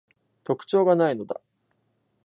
特徴が無いのだ